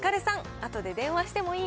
あとで電話してもいい？